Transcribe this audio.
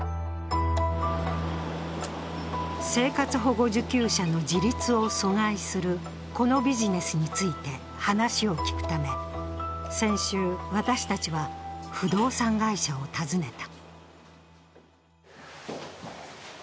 生活保護受給者の自立を阻害するこのビジネスについて話を聞くため先週、私たちは不動産会社を訪ねた。